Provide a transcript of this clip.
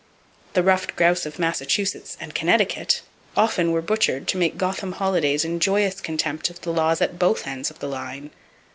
The ruffed grouse of Massachusetts and Connecticut often were butchered to make Gotham holidays in joyous contempt of the laws at both ends of the line.